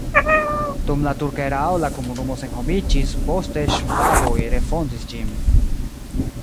Dum la turka erao la komunumo senhomiĝis, poste ŝvaboj refondis ĝin.